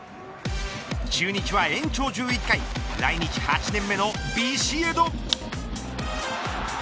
中日は延長１１回来日８年目のビシエド。